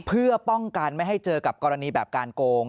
เพื่อป้องกันไม่ให้เจอกับกรณีแบบการโกง